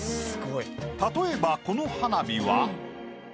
例えばこの花火は。